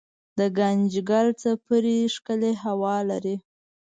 دګنجګل څپری ښکلې هوا لري